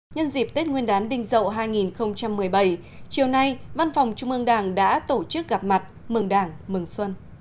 nhân dịp tết nguyên đán đình dậu hai nghìn một mươi bảy chiều nay văn phòng trung ương đảng đã tổ chức gặp mặt mừng đảng mừng xuân